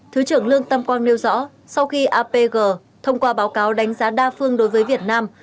thứ trưởng lương tâm quang nêu rõ sau khi apg thông qua báo cáo đánh giá đa phương đối với việt nam